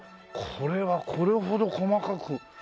これはこれほど細かく。